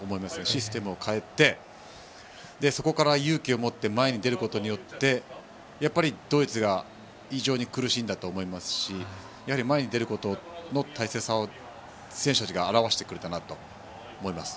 システムを変えてそこから勇気を持って前に出ることでやっぱりドイツが非常に苦しんだと思いますし前に出ることの大切さを選手たちが表してくれたなと思います。